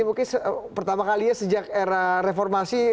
mungkin pertama kalinya sejak era reformasi